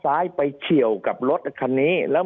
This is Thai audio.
ภารกิจสรรค์ภารกิจสรรค์